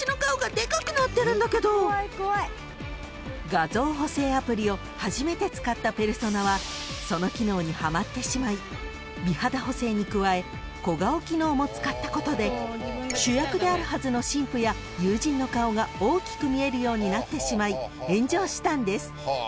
［画像補正アプリを初めて使ったペルソナはその機能にはまってしまい美肌補正に加え小顔機能も使ったことで主役であるはずの新婦や友人の顔が大きく見えるようになってしまい炎上したんです］